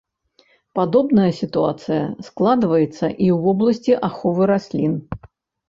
Падобная сітуацыя складваецца і ў вобласці аховы раслін.